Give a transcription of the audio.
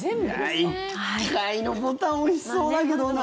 １階のボタン押しそうだけどな。